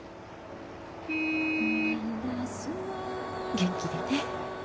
元気でね。